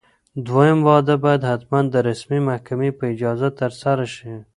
دویم واده باید حتماً د رسمي محکمې په اجازه ترسره شي.